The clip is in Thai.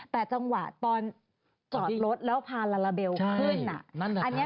แต่จังหวะตอนจอดรถแล้วพาลาลาเบลขึ้นอันนี้